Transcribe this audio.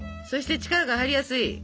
そして力が入りやすい。